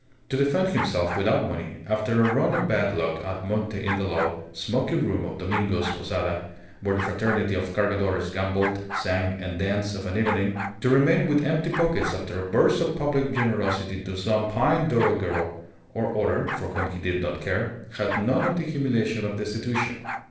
To find himself without money after a run of bad luck at monte in the low, smoky room of Domingo's posada, where the fraternity of Cargadores gambled, sang, and danced of an evening; to remain with empty pockets after a burst of public generosity to some peyne d'oro girl or other (for whom he did not care), had none of the humiliation of destitution.